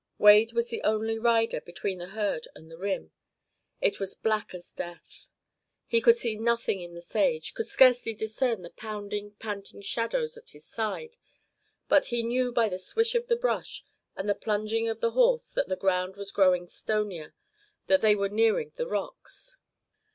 Wade was the only rider between the herd and the rim. It was black as death. He could see nothing in the sage, could scarcely discern the pounding, panting shadows at his side; but he knew by the swish of the brush and the plunging of the horse that the ground was growing stonier, that they were nearing the rocks.